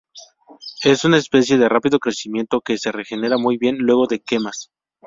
Es una especie de rápido crecimiento, que se regenera muy bien luego de quemas.